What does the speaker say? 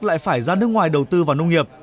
lại phải ra nước ngoài đầu tư vào nông nghiệp